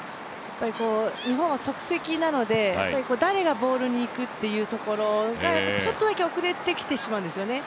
日本は即席なので、誰がボールにいくというところがちょっとだけ遅れてきてしまうんですよね。